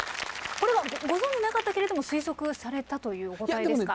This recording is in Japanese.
これはご存じなかったけれども推測されたというお答えですか？